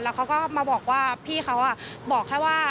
เขาก็มาบอกว่าพี่เขาบอกแค่ว่า